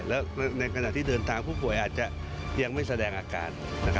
แล้วในขณะที่เดินทางผู้ป่วยอาจจะยังไม่แสดงอาการ